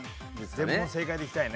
全問正解でいきたいね。